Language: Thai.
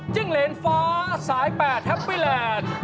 จิ้งเหรนฟ้าสายแปดแฮปปี้แลนด์